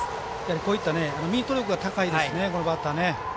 こういったミート力が高いんですよね、バッター。